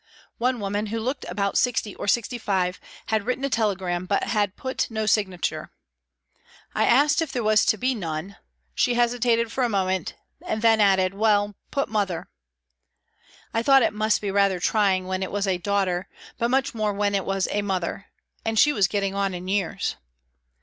One woman, who looked about sixty or sixty five, had written a telegram but had put no signature ; I asked if there was to be none. She hesitated for a moment and then added :" Well put Mother." I thought it must be rather trying when it was a " daughter," but much more when it was a " mother," and she getting on in years.